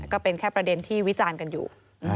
ก็เป็นแค่ประเด็นที่วิจารณ์กันอยู่